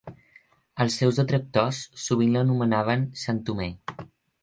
Els seus detractors sovint l'anomenaven "Sant Homer".